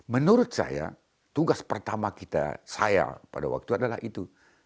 menurut saya tugas pertama kita saya pada waktu itu adalah itu